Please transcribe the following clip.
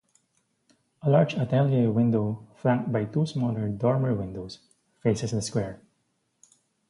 A large atelier window flanked by two smaller dormer windows faces the square.